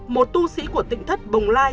một tu sĩ của tỉnh thất bồng lai